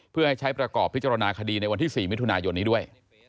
เพื่อให้ใช้ประกอบพิจารณาคดีในวันที่๔มิถุนายนนี้ด้วย